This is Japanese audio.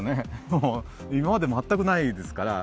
もう今まで全くないですから。